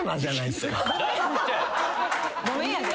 ごめんやで。